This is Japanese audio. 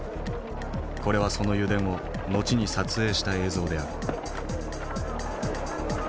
これはその油田を後に撮影した映像である。